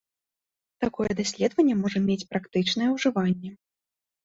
Такое даследаванне можа мець практычнае ўжыванне.